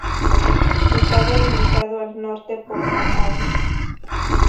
Está delimitado al norte por la Av.